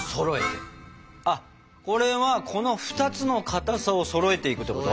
これはこの２つのかたさをそろえていくってこと？